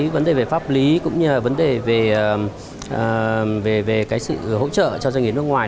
vấn đề về pháp lý cũng như là vấn đề về sự hỗ trợ cho doanh nghiệp nước ngoài